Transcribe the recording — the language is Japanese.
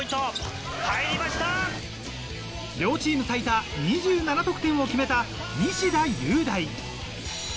両チーム最多２７得点を決めた西田優大。